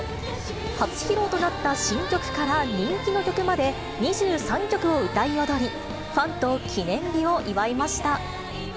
初披露となった新曲から人気の曲まで、２３曲を歌い踊り、ファンと記念日を祝いました。